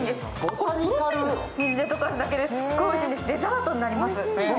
水で溶かすだけですっごいおいしいんです、デザートになります。